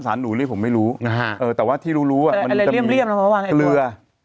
สารหนูเลยผมไม่รู้แต่ว่าที่รู้มันจะมีเกลือ